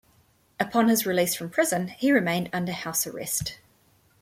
Upon his release from prison, he remained under house arrest.